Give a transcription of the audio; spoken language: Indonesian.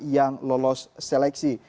yang lolos seleksi